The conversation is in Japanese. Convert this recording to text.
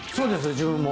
自分も。